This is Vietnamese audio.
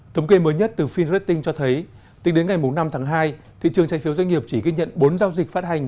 thống kê mới nhất từ philippines cho thấy tính đến ngày năm tháng hai thị trường trái phiếu doanh nghiệp chỉ ghi nhận bốn giao dịch phát hành